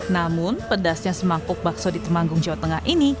namun pedasnya semangkuk bakso di temanggung jawa tengah ini